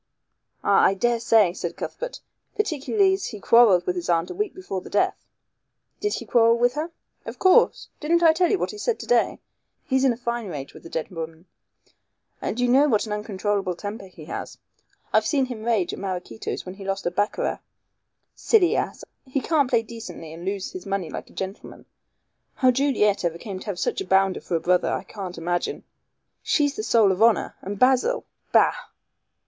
"Ah, I daresay," said Cuthbert, "particularly as he quarrelled with his aunt a week before the death." "Did he quarrel with her?" "Of course. Didn't I tell you what he said to day. He's in a fine rage with the dead woman. And you know what an uncontrollable temper he has. I've seen him rage at Maraquito's when he lost at baccarat. Silly ass! He can't play decently and lose his money like a gentleman. How Juliet ever came to have such a bounder for a brother I can't imagine. She's the soul of honor, and Basil bah!"